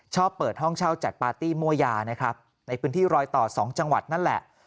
เปิดห้องเช่าจัดปาร์ตี้มั่วยานะครับในพื้นที่รอยต่อ๒จังหวัดนั่นแหละ